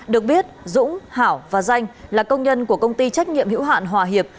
được biết dũng hảo và danh là công nhân của công ty trách nhiệm hữu hạn hòa hiệp